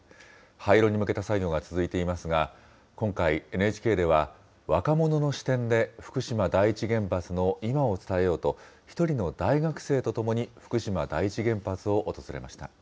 廃炉に向けた作業が続いていますが、今回、ＮＨＫでは若者の視点で、福島第一原発の今を伝えようと、１人の大学生とともに福島第一原発を訪れました。